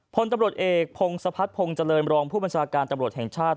พลตำรวจเอกพงศพัฒนภงเจริญรองผู้บัญชาการตำรวจแห่งชาติ